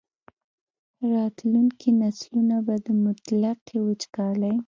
راتلونکي نسلونه به د مطلقې وچکالۍ.